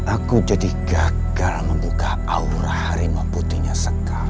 aku jadi gagal membuka aura harimau putihnya sekam